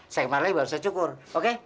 saya kemarin lagi baru saya cukur oke